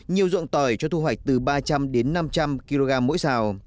nhiều ruộng tỏi cho thu hoạch từ ba trăm linh đến năm trăm linh kg mỗi xào